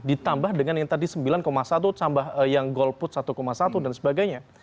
ditambah dengan yang tadi sembilan satu tambah yang gold put satu satu dan sebagainya